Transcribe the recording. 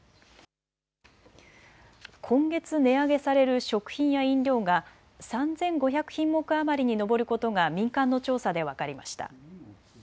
今月、値上げされる食品や飲料が３５００品目余りに上ることが民間の調査で分かりました。